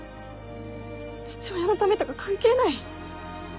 「父親のためとか関係ない」？